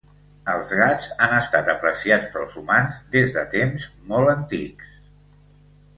Els gats han estat apreciats pels humans des de temps molts antics.